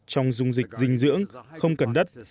trong dung dịch dinh dưỡng không cần đất